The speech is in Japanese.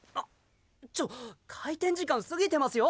ちょっ開店時間過ぎてますよ！